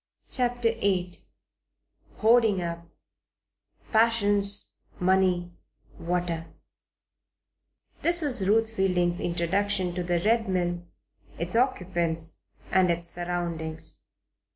CHAPTER VIII HOARDING UP: PASSIONS MONEY WATER This was Ruth Fielding's introduction to the Red Mill, its occupants, and its surroundings.